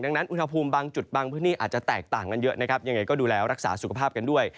ดังนั้นอุณหภูมิบางจุดบางพื้นที่อาจจะแตกต่างกันเยอะนะครับยังไงก็ดูแลรักษาสุขภาพกันด้วย